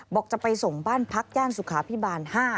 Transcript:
บอกจะไปส่งบ้านพักย่านสุขาพิบาล๕